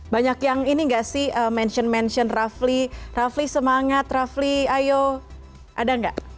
banyak yang ini nggak sih mention mention rafli rafli semangat rafli ayo ada nggak